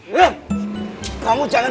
kamu jangan banyak ngeceh